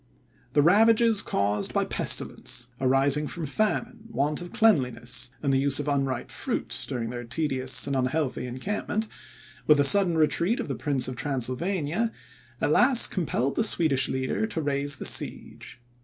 The ravages caused by pestilence, arising from famine, want of cleanliness, and the use of unripe fruit, during their tedious and unhealthy encampment, with the sudden retreat of the Prince of Transylvania, at last compelled the Swedish leader to raise the siege.